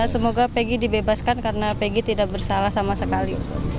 semoga peggy dibebaskan karena pegg tidak bersalah sama sekali